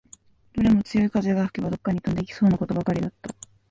どれも強い風が吹けば、どっかに飛んでいきそうなことばかりだった